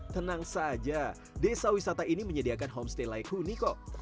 tenang saja desa wisata ini menyediakan homestay like huni kok